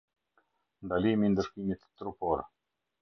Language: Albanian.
Ndalimi i ndëshkimit trupor.